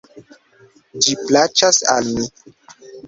Ĝi plaĉas al mi.